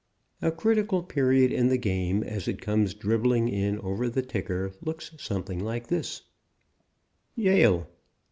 A critical period in the game, as it comes dribbling in over the ticker, looks something like this: YALE.